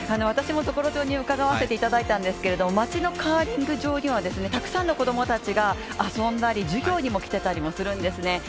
私も常呂町に伺わせていただいたんですけど町のカーリング場にはたくさんの子供たちが遊んだり、授業にも来ていたりもするんですね。